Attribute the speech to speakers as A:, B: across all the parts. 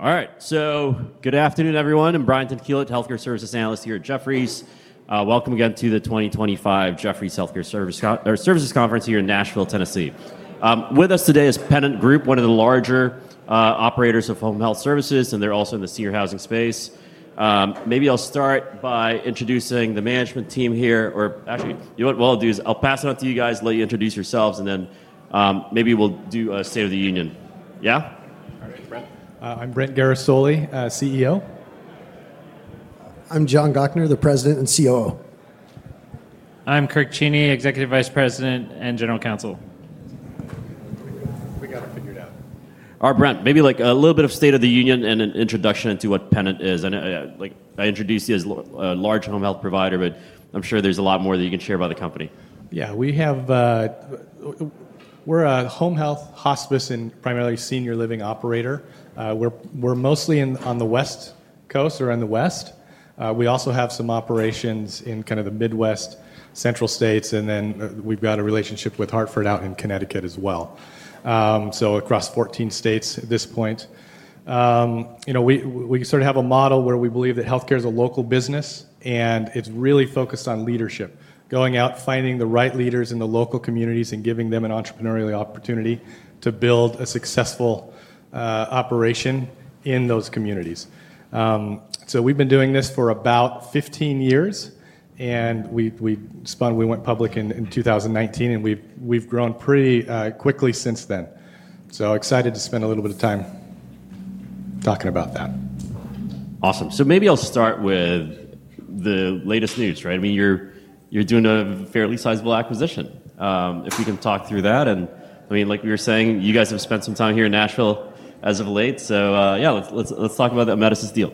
A: All right, so good afternoon, everyone. I'm Brian Tanquilut, Healthcare Services Analyst here at Jefferies. Welcome again to the 2025 Jefferies Healthcare Services Conference here in Nashville, Tennessee. With us today is The Pennant Group, one of the larger operators of home health services, and they're also in the senior housing space. Maybe I'll start by introducing the management team here, or actually, you know what, I'll pass it off to you guys, let you introduce yourselves, and then maybe we'll do a State of the Union. Yeah?
B: All right, Brent. I'm Brent Guerisoli, CEO.
C: I'm John Gochnour, the President and COO.
D: I'm Kirk Cheney, Executive Vice President and General Counsel.
B: We got it figured out.
A: All right, Brent, maybe a little bit of State of the Union and an introduction into what Pennant is. I know I introduced you as a large home health provider, but I'm sure there's a lot more that you can share about the company.
B: Yeah, we have, we're a Home Health, Hospice, and primarily Senior Living operator. We're mostly on the West Coast or in the West. We also have some operations in kind of the Midwest, Central states, and then we've got a relationship with Hartford out in Connecticut as well. Across 14 states at this point, we sort of have a model where we believe that healthcare is a local business and it's really focused on leadership, going out, finding the right leaders in the local communities and giving them an entrepreneurial opportunity to build a successful operation in those communities. We've been doing this for about 15 years and we spun, we went public in 2019 and we've grown pretty quickly since then. Excited to spend a little bit of time talking about that.
A: Awesome. Maybe I'll start with the latest news, right? I mean, you're doing a fairly sizable acquisition. If you can talk through that, I mean, like we were saying, you guys have spent some time here in Nashville as of late. Let's talk about the Amedisys deal.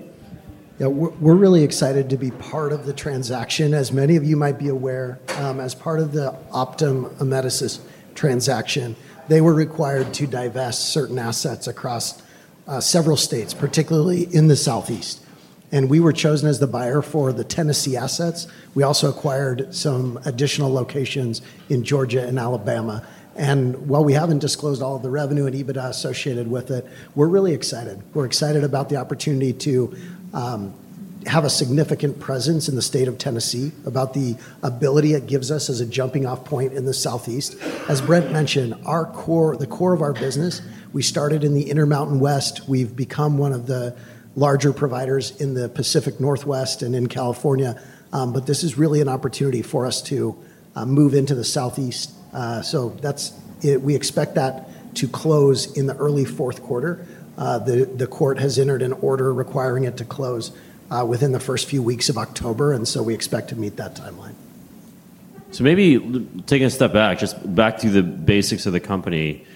C: Yeah, we're really excited to be part of the transaction. As many of you might be aware, as part of the Optum Amedisys transaction, they were required to divest certain assets across several states, particularly in the Southeast. We were chosen as the buyer for the Tennessee assets. We also acquired some additional locations in Georgia and Alabama. While we haven't disclosed all of the revenue and EBITDA associated with it, we're really excited. We're excited about the opportunity to have a significant presence in the state of Tennessee, about the ability it gives us as a jumping-off point in the Southeast. As Brent mentioned, the core of our business, we started in the Intermountain West. We've become one of the larger providers in the Pacific Northwest and in California. This is really an opportunity for us to move into the Southeast. We expect that to close in the early fourth quarter. The court has entered an order requiring it to close within the first few weeks of October, and we expect to meet that timeline.
A: Maybe taking a step back, just back to the basics of the company,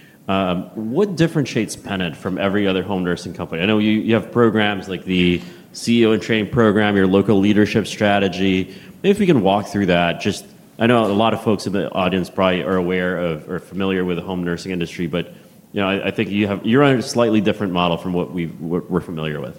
A: what differentiates Pennant from every other home nursing company? I know you have programs like the CEO in Training program, your local leadership strategy. Maybe if you can walk through that, just I know a lot of folks in the audience probably are aware of or familiar with the home nursing industry, but I think you have, you're under a slightly different model from what we're familiar with.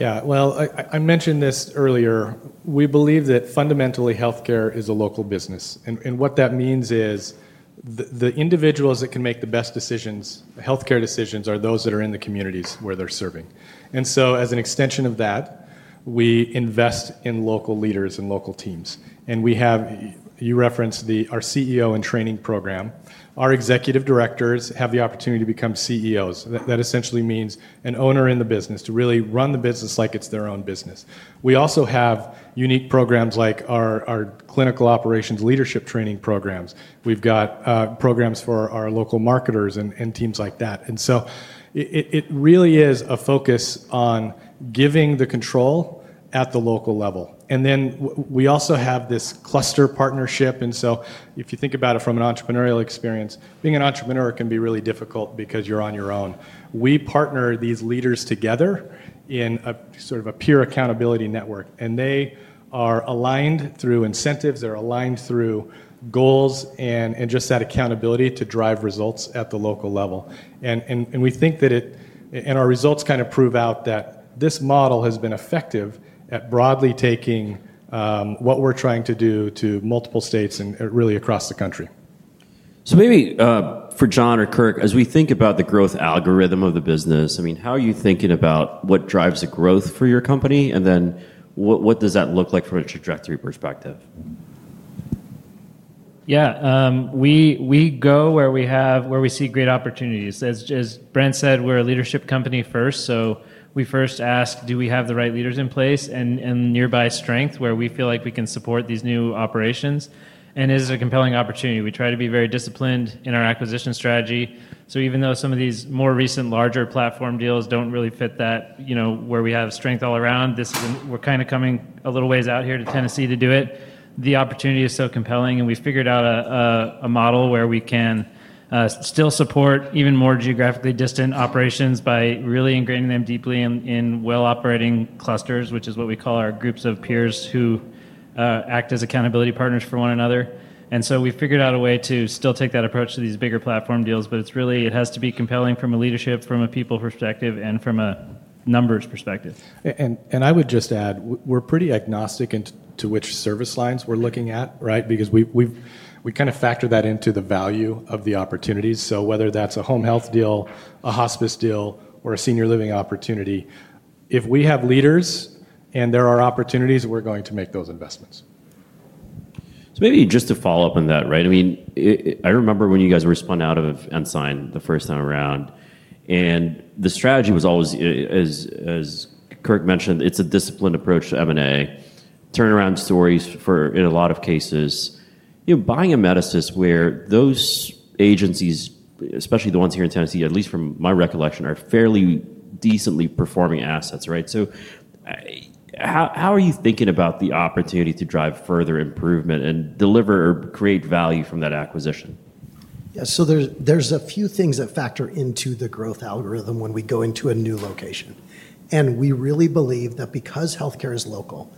B: I mentioned this earlier. We believe that fundamentally, healthcare is a local business. What that means is the individuals that can make the best decisions, healthcare decisions, are those that are in the communities where they're serving. As an extension of that, we invest in local leaders and local teams. You referenced our CEO in Training program. Our Executive Directors have the opportunity to become CEOs. That essentially means an owner in the business to really run the business like it's their own business. We also have unique programs like our clinical operations leadership training programs. We've got programs for our local marketers and teams like that. It really is a focus on giving the control at the local level. We also have this cluster partnership. If you think about it from an entrepreneurial experience, being an entrepreneur can be really difficult because you're on your own. We partner these leaders together in a sort of a peer accountability network. They are aligned through incentives, they're aligned through goals, and just that accountability to drive results at the local level. We think that it, and our results kind of prove out, that this model has been effective at broadly taking what we're trying to do to multiple states and really across the country.
A: Maybe for John or Kirk, as we think about the growth algorithm of the business, how are you thinking about what drives the growth for your company? What does that look like from a trajectory perspective?
D: Yeah, we go where we have, where we see great opportunities. As Brent said, we're a leadership company first. We first ask, do we have the right leaders in place and nearby strength where we feel like we can support these new operations? It is a compelling opportunity. We try to be very disciplined in our acquisition strategy. Even though some of these more recent larger platform deals don't really fit that, you know, where we have strength all around, we're kind of coming a little ways out here to Tennessee to do it. The opportunity is so compelling and we figured out a model where we can still support even more geographically distant operations by really ingraining them deeply in well-operating clusters, which is what we call our groups of peers who act as accountability partners for one another. We've figured out a way to still take that approach to these bigger platform deals, but it really has to be compelling from a leadership, from a people perspective, and from a numbers perspective.
B: I would just add, we're pretty agnostic to which service lines we're looking at, right? Because we've kind of factored that into the value of the opportunities. Whether that's a Home Health deal, a Hospice deal, or a Senior Living opportunity, if we have leaders and there are opportunities, we're going to make those investments.
A: Maybe just to follow up on that, right? I mean, I remember when you guys were spun out of Ensign the first time around, and the strategy was always, as Kirk mentioned, it's a disciplined approach to M&A, turnaround stories for in a lot of cases. You know, buying Amedisys where those agencies, especially the ones here in Tennessee, at least from my recollection, are fairly decently performing assets, right? How are you thinking about the opportunity to drive further improvement and deliver or create value from that acquisition?
C: Yeah, so there's a few things that factor into the growth algorithm when we go into a new location. We really believe that because healthcare is local,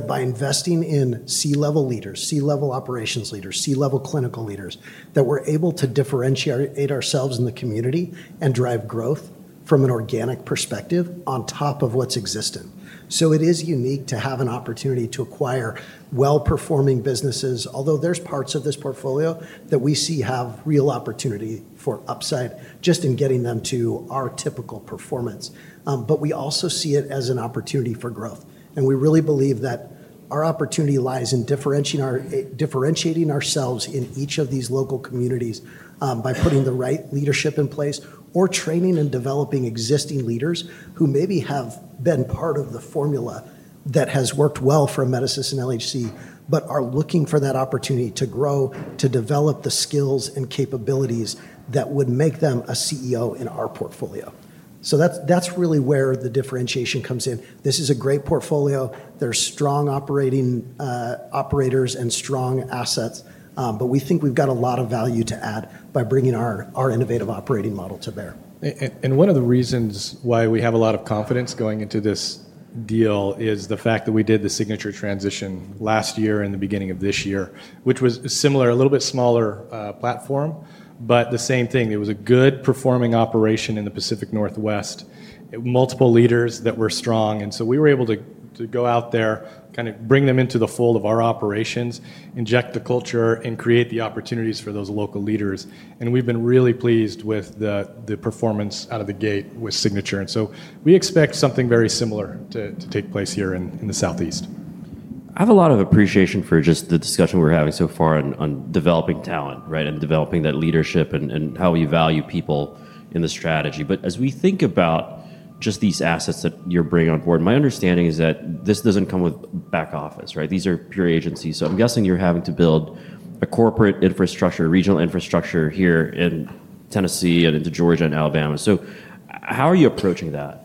C: by investing in C-level leaders, C-level operations leaders, C-level clinical leaders, we're able to differentiate ourselves in the community and drive growth from an organic perspective on top of what's existing. It is unique to have an opportunity to acquire well-performing businesses, although there are parts of this portfolio that we see have real opportunity for upside just in getting them to our typical performance. We also see it as an opportunity for growth. We really believe that our opportunity lies in differentiating ourselves in each of these local communities by putting the right leadership in place or training and developing existing leaders who maybe have been part of the formula that has worked well for Amedisys and LHC, but are looking for that opportunity to grow, to develop the skills and capabilities that would make them a CEO in our portfolio. That's really where the differentiation comes in. This is a great portfolio. There are strong operators and strong assets, but we think we've got a lot of value to add by bringing our innovative operating model to bear.
B: One of the reasons why we have a lot of confidence going into this deal is the fact that we did the Signature transition last year and the beginning of this year, which was a similar, a little bit smaller platform, but the same thing. It was a good performing operation in the Pacific Northwest, multiple leaders that were strong. We were able to go out there, kind of bring them into the fold of our operations, inject the culture, and create the opportunities for those local leaders. We've been really pleased with the performance out of the gate with Signature. We expect something very similar to take place here in the Southeast.
A: I have a lot of appreciation for just the discussion we're having so far on developing talent, right, and developing that leadership and how you value people in the strategy. As we think about just these assets that you're bringing on board, my understanding is that this doesn't come with back office, right? These are pure agencies. I'm guessing you're having to build a corporate infrastructure, regional infrastructure here in Tennessee and into Georgia and Alabama. How are you approaching that?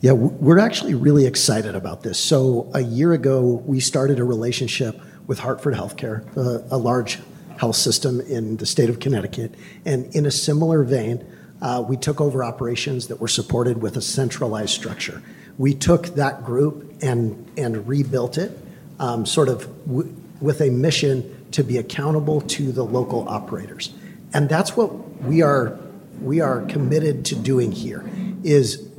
C: Yeah, we're actually really excited about this. A year ago, we started a relationship with Hartford HealthCare, a large health system in the state of Connecticut. In a similar vein, we took over operations that were supported with a centralized structure. We took that group and rebuilt it, sort of with a mission to be accountable to the local operators. That's what we are committed to doing here.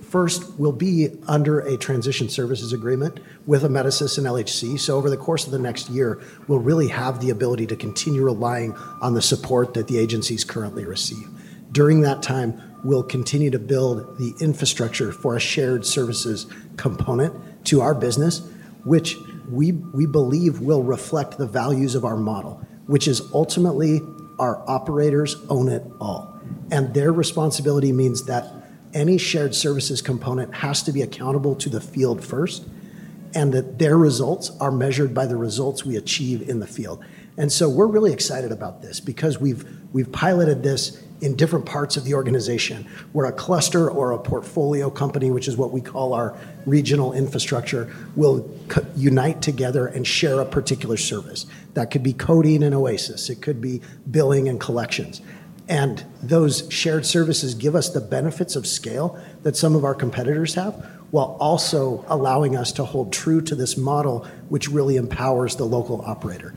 C: First, we'll be under a transition services agreement with Amedisys and LHC. Over the course of the next year, we'll really have the ability to continue relying on the support that the agencies currently receive. During that time, we'll continue to build the infrastructure for a shared services component to our business, which we believe will reflect the values of our model, which is ultimately our operators own it all. Their responsibility means that any shared services component has to be accountable to the field first and that their results are measured by the results we achieve in the field. We're really excited about this because we've piloted this in different parts of the organization where a cluster or a portfolio company, which is what we call our regional infrastructure, will unite together and share a particular service. That could be coding and OASIS. It could be billing and collections. Those shared services give us the benefits of scale that some of our competitors have while also allowing us to hold true to this model, which really empowers the local operator.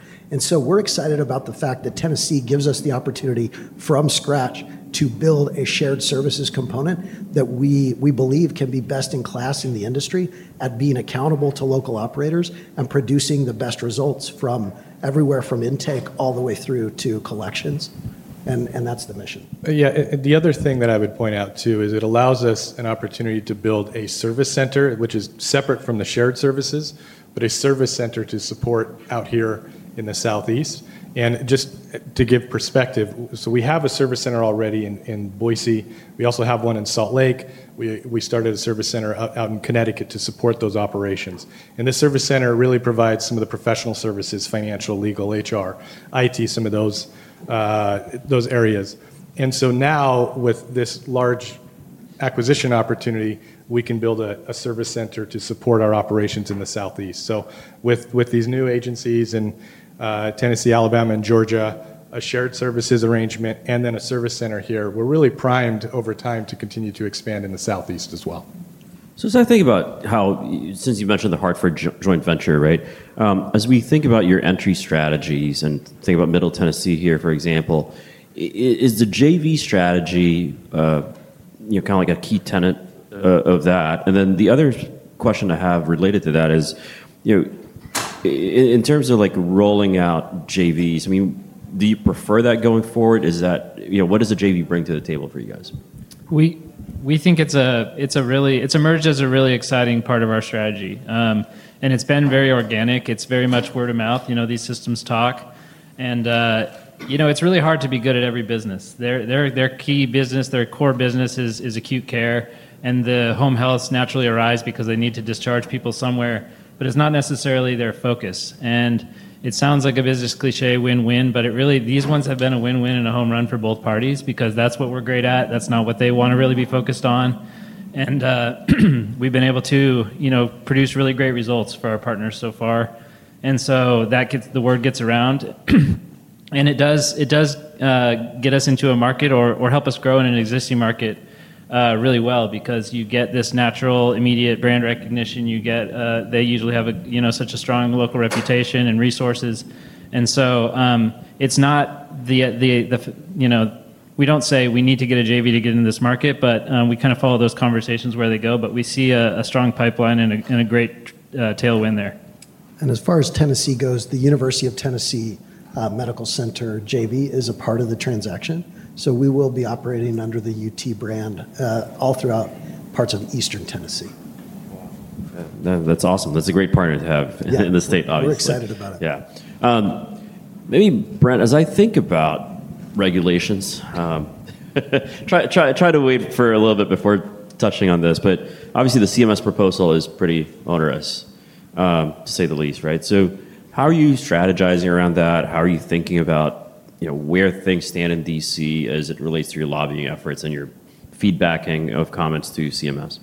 C: We're excited about the fact that Tennessee gives us the opportunity from scratch to build a shared services component that we believe can be best in class in the industry at being accountable to local operators and producing the best results from everywhere from intake all the way through to collections. That's the mission.
B: The other thing that I would point out too is it allows us an opportunity to build a service center, which is separate from the shared services, but a service center to support out here in the Southeast. Just to give perspective, we have a service center already in Boise. We also have one in Salt Lake. We started a service center out in Connecticut to support those operations. This service center really provides some of the professional services, financial, legal, HR, IT, some of those areas. Now with this large acquisition opportunity, we can build a service center to support our operations in the Southeast. With these new agencies in Tennessee, Alabama, and Georgia, a shared services arrangement, and then a service center here, we're really primed over time to continue to expand in the Southeast as well.
A: As I think about how, since you mentioned the Hartford joint venture, as we think about your entry strategies and think about Middle Tennessee here, for example, is the JV strategy kind of like a key tenet of that? The other question I have related to that is, in terms of rolling out JVs, do you prefer that going forward? What does the JV bring to the table for you guys?
D: We think it's a really, it's emerged as a really exciting part of our strategy. It's been very organic. It's very much word of mouth. You know, these systems talk. It's really hard to be good at every business. Their key business, their core business is acute care. The home health naturally arrives because they need to discharge people somewhere. It's not necessarily their focus. It sounds like a business cliché, win-win, but it really, these ones have been a win-win and a home run for both parties because that's what we're great at. That's not what they want to really be focused on. We've been able to produce really great results for our partners so far. That gets the word gets around. It does get us into a market or help us grow in an existing market really well because you get this natural immediate brand recognition. You get, they usually have a, you know, such a strong local reputation and resources. It's not the, you know, we don't say we need to get a JV to get into this market, but we kind of follow those conversations where they go. We see a strong pipeline and a great tailwind there.
C: As far as Tennessee goes, the University of Tennessee Medical Center JV is a part of the transaction. We will be operating under the UT brand throughout parts of Eastern Tennessee.
A: Wow, that's awesome. That's a great partner to have in the state, obviously.
C: We're excited about it.
A: Yeah. Maybe, Brent, as I think about regulations, I tried to wait for a little bit before touching on this, but obviously the CMS proposal is pretty onerous, to say the least, right? How are you strategizing around that? How are you thinking about where things stand in Washington, D.C. as it relates to your lobbying efforts and your feedback of comments to CMS?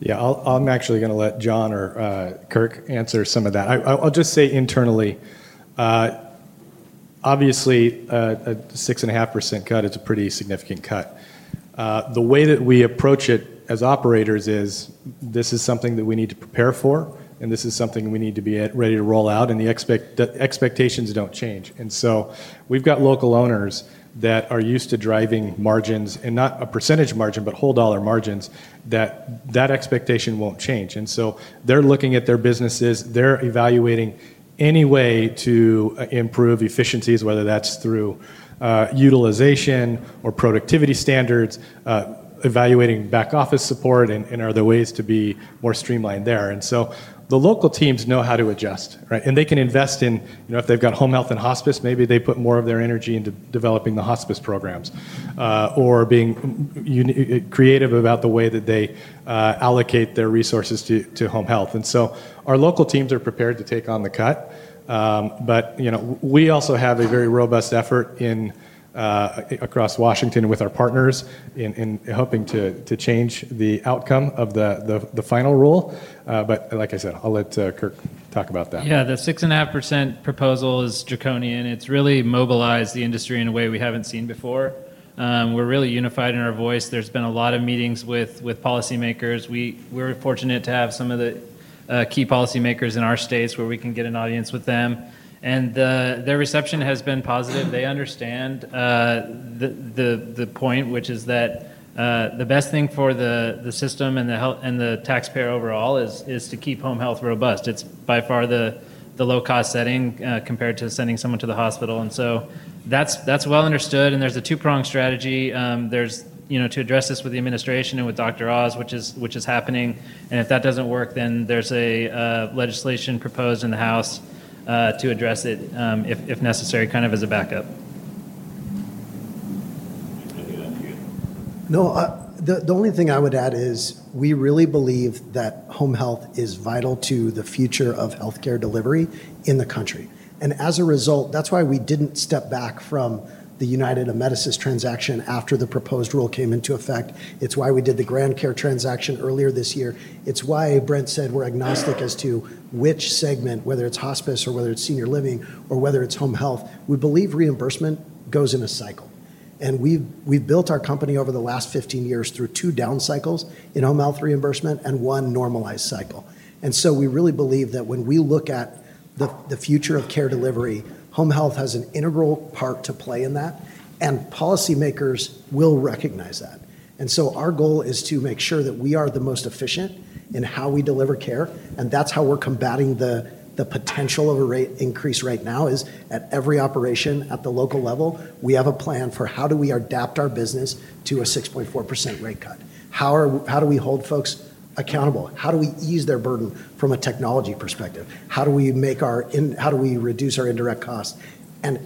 B: Yeah, I'm actually going to let John or Kirk answer some of that. I'll just say internally, obviously, a 6.5% cut is a pretty significant cut. The way that we approach it as operators is this is something that we need to prepare for, and this is something we need to be ready to roll out, and the expectations don't change. We've got local owners that are used to driving margins and not a percentage margin, but whole dollar margins. That expectation won't change. They're looking at their businesses, they're evaluating any way to improve efficiencies, whether that's through utilization or productivity standards, evaluating back office support and other ways to be more streamlined there. The local teams know how to adjust, right? They can invest in, you know, if they've got Home Health and Hospice, maybe they put more of their energy into developing the Hospice programs, or being creative about the way that they allocate their resources to Home Health. Our local teams are prepared to take on the cut. You know, we also have a very robust effort across Washington, D.C. with our partners in hoping to change the outcome of the final rule. Like I said, I'll let Kirk talk about that.
D: Yeah. The 6.5% proposal is draconian. It's really mobilized the industry in a way we haven't seen before. We're really unified in our voice. There's been a lot of meetings with policymakers. We were fortunate to have some of the key policymakers in our states where we can get an audience with them. Their reception has been positive. They understand the point, which is that the best thing for the system and the health and the taxpayer overall is to keep Home Health robust. It's by far the low-cost setting, compared to sending someone to the hospital. That's well understood. There's a two-prong strategy. There's, you know, to address this with the administration and with Dr. Oz, which is happening. If that doesn't work, then there's legislation proposed in the House to address it, if necessary, kind of as a backup.
C: No, the only thing I would add is we really believe that home health is vital to the future of healthcare delivery in the country. As a result, that's why we didn't step back from the United Amedisys transaction after the proposed rule came into effect. It's why we did the GrandCare transaction earlier this year. It's why Brent said we're agnostic as to which segment, whether it's Hospice or whether it's Senior Living or whether it's Home Health. We believe reimbursement goes in a cycle. We've built our company over the last 15 years through two down cycles in home health reimbursement and one normalized cycle. We really believe that when we look at the future of care delivery, home health has an integral part to play in that, and policymakers will recognize that. Our goal is to make sure that we are the most efficient in how we deliver care. That's how we're combating the potential of a rate increase right now, at every operation at the local level. We have a plan for how do we adapt our business to a 6.4% rate cut? How do we hold folks accountable? How do we ease their burden from a technology perspective? How do we reduce our indirect costs?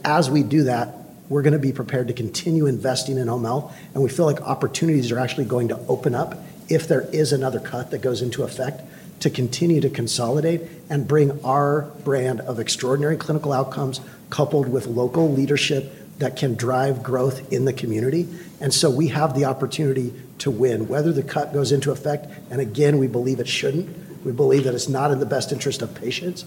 C: As we do that, we're going to be prepared to continue investing in home health. We feel like opportunities are actually going to open up if there is another cut that goes into effect to continue to consolidate and bring our brand of extraordinary clinical outcomes coupled with local leadership that can drive growth in the community. We have the opportunity to win whether the cut goes into effect. We believe it shouldn't. We believe that it's not in the best interest of patients.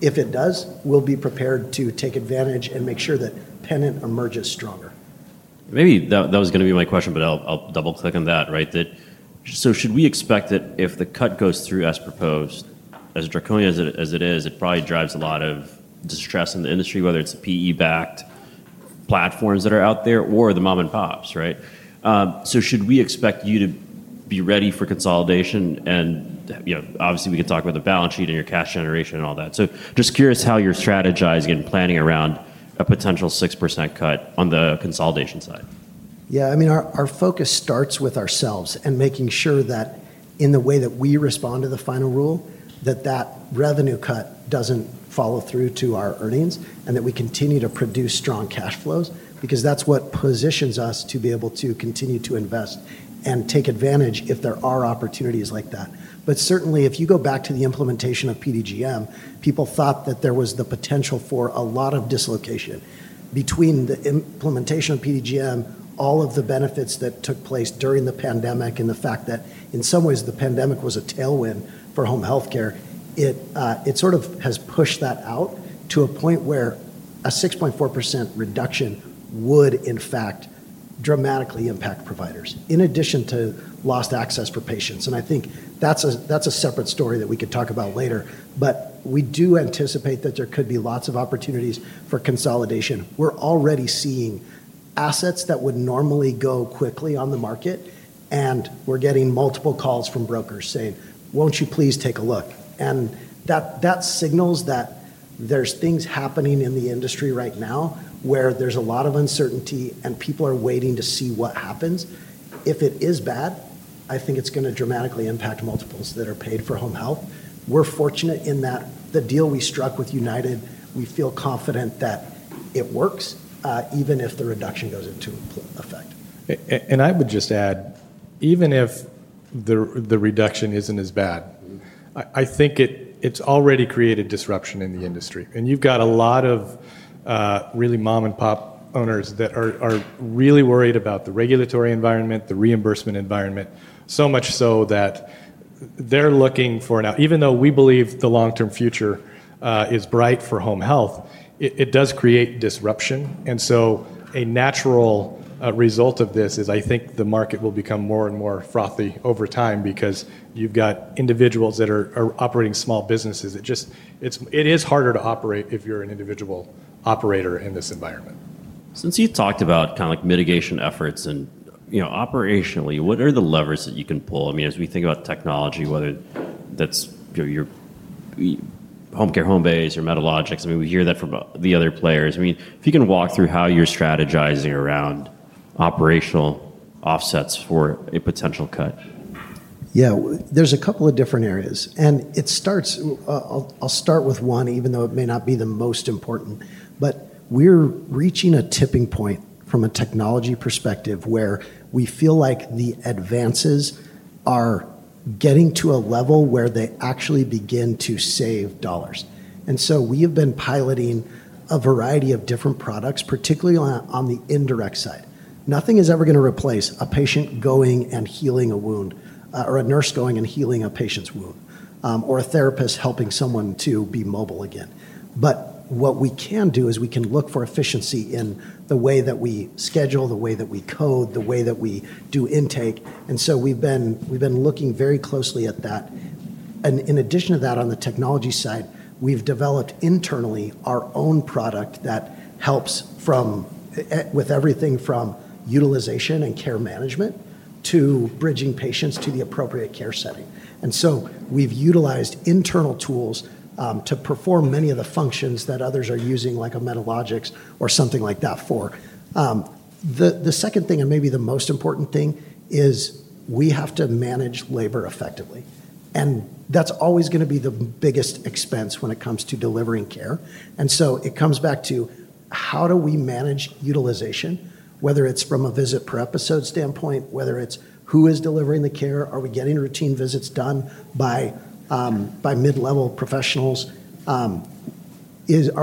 C: If it does, we'll be prepared to take advantage and make sure that Pennant emerges stronger.
A: Maybe that was going to be my question, but I'll double-click on that, right? Should we expect that if the cut goes through as proposed, as draconian as it is, it probably drives a lot of distress in the industry, whether it's the PE-backed platforms that are out there or the mom-and-pops, right? Should we expect you to be ready for consolidation? Obviously, we could talk about the balance sheet and your cash generation and all that. Just curious how you're strategizing and planning around a potential 6.4% cut on the consolidation side.
C: Yeah, I mean, our focus starts with ourselves and making sure that in the way that we respond to the final rule, that that revenue cut doesn't follow through to our earnings and that we continue to produce strong cash flows because that's what positions us to be able to continue to invest and take advantage if there are opportunities like that. Certainly, if you go back to the implementation of PDGM, people thought that there was the potential for a lot of dislocation. Between the implementation of PDGM, all of the benefits that took place during the pandemic and the fact that in some ways the pandemic was a tailwind for home healthcare, it sort of has pushed that out to a point where a 6.4% reduction would, in fact, dramatically impact providers in addition to lost access for patients. I think that's a separate story that we could talk about later. We do anticipate that there could be lots of opportunities for consolidation. We're already seeing assets that would normally go quickly on the market, and we're getting multiple calls from brokers saying, "Won't you please take a look?" That signals that there's things happening in the industry right now where there's a lot of uncertainty and people are waiting to see what happens. If it is bad, I think it's going to dramatically impact multiples that are paid for home health. We're fortunate in that the deal we struck with United, we feel confident that it works, even if the reduction goes into effect.
B: I would just add, even if the reduction isn't as bad, I think it's already created disruption in the industry. You've got a lot of really mom-and-pop owners that are really worried about the regulatory environment, the reimbursement environment, so much so that they're looking for now, even though we believe the long-term future is bright for home health, it does create disruption. A natural result of this is I think the market will become more and more frothy over time because you've got individuals that are operating small businesses. It is harder to operate if you're an individual operator in this environment.
A: Since you talked about mitigation efforts and, you know, operationally, what are the levers that you can pull? I mean, as we think about technology, whether that's your Home Health, Home Base, your metallurgics, I mean, we hear that from the other players. If you can walk through how you're strategizing around operational offsets for a potential cut.
C: Yeah, there's a couple of different areas. It starts, I'll start with one, even though it may not be the most important. We're reaching a tipping point from a technology perspective where we feel like the advances are getting to a level where they actually begin to save dollars. We have been piloting a variety of different products, particularly on the indirect side. Nothing is ever going to replace a patient going and healing a wound, or a nurse going and healing a patient's wound, or a therapist helping someone to be mobile again. What we can do is we can look for efficiency in the way that we schedule, the way that we code, the way that we do intake. We've been looking very closely at that. In addition to that, on the technology side, we've developed internally our own product that helps with everything from utilization and care management to bridging patients to the appropriate care setting. We've utilized internal tools to perform many of the functions that others are using, like a metallurgics or something like that for. The second thing, and maybe the most important thing, is we have to manage labor effectively. That's always going to be the biggest expense when it comes to delivering care. It comes back to how do we manage utilization, whether it's from a visit per episode standpoint, whether it's who is delivering the care, are we getting routine visits done by mid-level professionals, are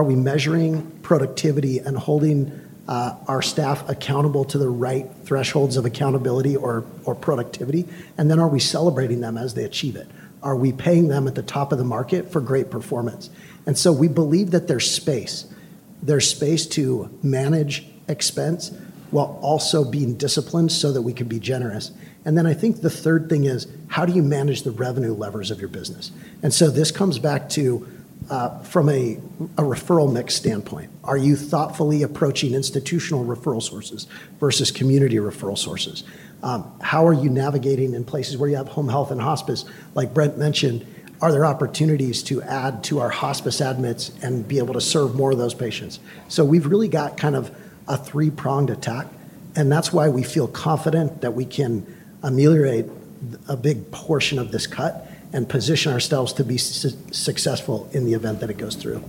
C: we measuring productivity and holding our staff accountable to the right thresholds of accountability or productivity, and then are we celebrating them as they achieve it? Are we paying them at the top of the market for great performance? We believe that there's space, there's space to manage expense while also being disciplined so that we can be generous. I think the third thing is how do you manage the revenue levers of your business? This comes back to, from a referral mix standpoint. Are you thoughtfully approaching institutional referral sources versus community referral sources? How are you navigating in places where you have Home Health and Hospice? Like Brent mentioned, are there opportunities to add to our Hospice admits and be able to serve more of those patients? We've really got kind of a three-pronged attack. That's why we feel confident that we can ameliorate a big portion of this cut and position ourselves to be successful in the event that it goes through.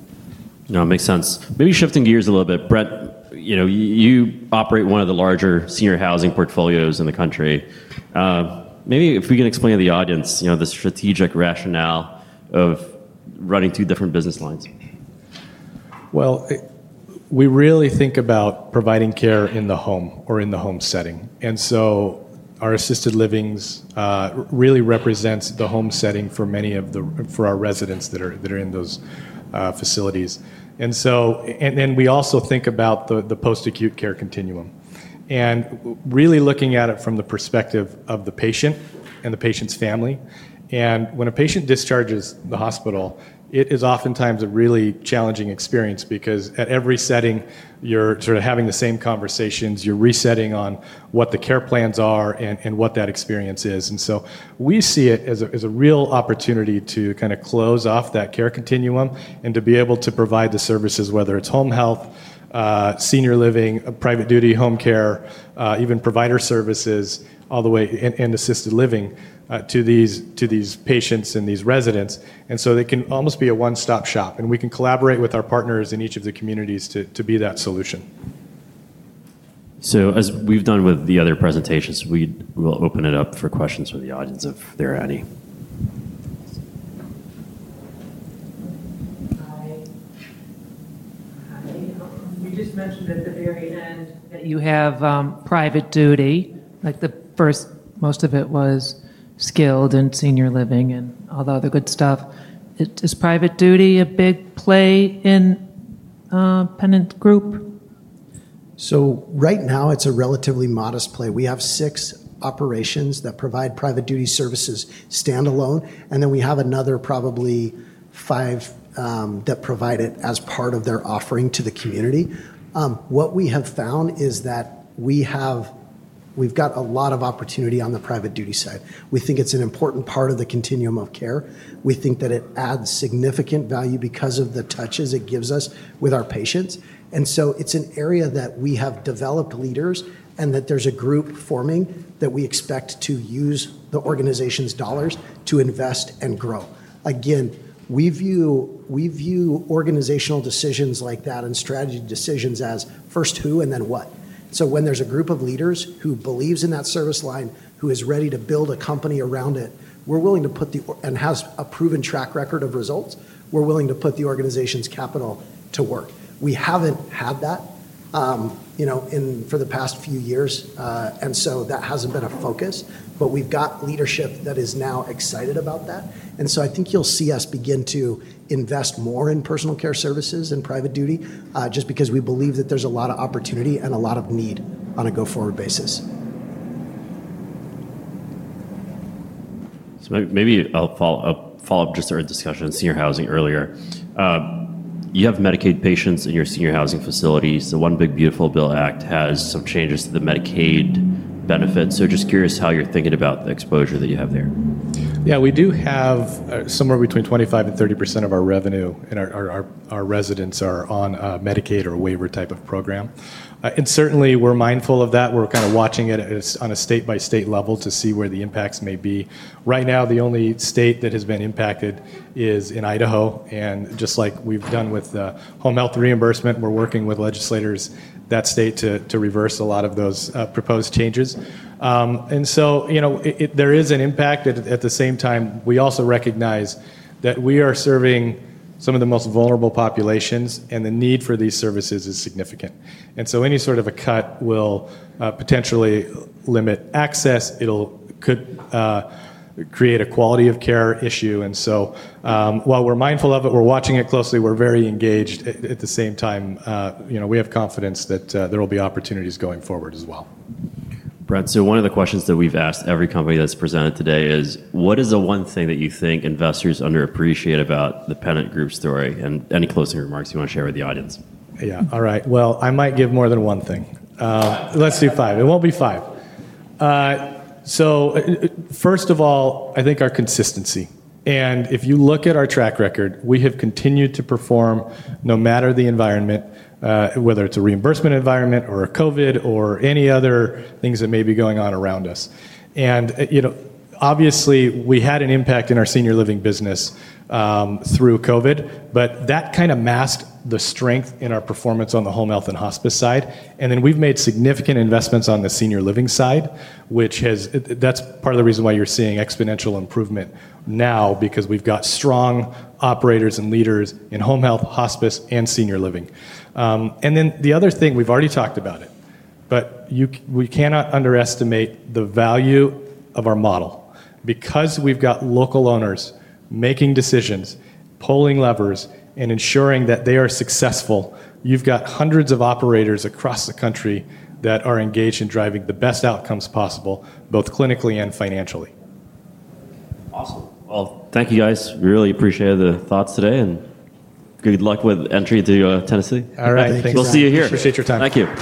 A: No, it makes sense. Maybe shifting gears a little bit, Brent, you know, you operate one of the larger Senior Housing portfolios in the country. Maybe if we can explain to the audience, you know, the strategic rationale of running two different business lines.
B: We really think about providing care in the home or in the home setting. Our assisted livings really represent the home setting for many of our residents that are in those facilities. We also think about the post-acute care continuum and really look at it from the perspective of the patient and the patient's family. When a patient discharges the hospital, it is oftentimes a really challenging experience because at every setting, you're sort of having the same conversations, you're resetting on what the care plans are and what that experience is. We see it as a real opportunity to close off that care continuum and to be able to provide the services, whether it's Home Health, Senior Living, private duty, home care, even provider services, all the way in assisted living, to these patients and these residents. They can almost be a one-stop shop, and we can collaborate with our partners in each of the communities to be that solution.
A: As we've done with the other presentations, we will open it up for questions from the audience if there are any.
E: We just mentioned at the very end that you have private duty, like the first. Most of it was skilled and Senior Living and all the other good stuff. Is private duty a big play in Pennant Group?
C: Right now, it's a relatively modest play. We have six operations that provide private duty services standalone, and then we have another probably five that provide it as part of their offering to the community. What we have found is that we've got a lot of opportunity on the private duty side. We think it's an important part of the continuum of care. We think that it adds significant value because of the touches it gives us with our patients. It's an area that we have developed leaders and that there's a group forming that we expect to use the organization's dollars to invest and grow. We view organizational decisions like that and strategy decisions as first who and then what. When there's a group of leaders who believes in that service line, who is ready to build a company around it, and has a proven track record of results, we're willing to put the organization's capital to work. We haven't had that in for the past few years, and that hasn't been a focus, but we've got leadership that is now excited about that. I think you'll see us begin to invest more in personal care services and private duty, just because we believe that there's a lot of opportunity and a lot of need on a go-forward basis.
A: I'll follow up on our discussion of Senior Housing earlier. You have Medicaid patients in your Senior Housing facilities. The One Big Beautiful Bill Act has some changes to the Medicaid benefits. Just curious how you're thinking about the exposure that you have there.
B: Yeah, we do have somewhere between 25% and 30% of our revenue, and our residents are on a Medicaid or a waiver type of program. Certainly, we're mindful of that. We're kind of watching it on a state-by-state level to see where the impacts may be. Right now, the only state that has been impacted is in Idaho. Just like we've done with the home health reimbursement, we're working with legislators in that state to reverse a lot of those proposed changes. There is an impact. At the same time, we also recognize that we are serving some of the most vulnerable populations, and the need for these services is significant. Any sort of a cut will potentially limit access. It could create a quality of care issue. While we're mindful of it, we're watching it closely. We're very engaged. At the same time, we have confidence that there will be opportunities going forward as well.
A: Brent, one of the questions that we've asked every company that's presented today is, what is the one thing that you think investors underappreciate about The Pennant Group story, and any closing remarks you want to share with the audience?
B: All right. I might give more than one thing. Let's do five. It won't be five. First of all, I think our consistency. If you look at our track record, we have continued to perform no matter the environment, whether it's a reimbursement environment or a COVID or any other things that may be going on around us. Obviously, we had an impact in our Senior Living business through COVID, but that kind of masked the strength in our performance on the Home Health and Hospice side. We've made significant investments on the Senior Living side, which is part of the reason why you're seeing exponential improvement now because we've got strong operators and leaders in Home Health, Hospice, and Senior Living. The other thing, we've already talked about it, but you cannot underestimate the value of our model because we've got local owners making decisions, pulling levers, and ensuring that they are successful. You've got hundreds of operators across the country that are engaged in driving the best outcomes possible, both clinically and financially.
A: Awesome. Thank you guys. Really appreciate the thoughts today and good luck with entry to Tennessee.
C: All right, thanks.
A: We'll see you here.
B: Appreciate your time.
A: Thank you.